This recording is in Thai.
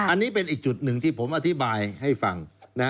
อันนี้เป็นอีกจุดหนึ่งที่ผมอธิบายให้ฟัง